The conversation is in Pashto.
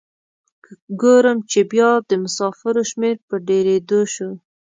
که ګورم چې بیا د مسافرو شمیر په ډیریدو شو.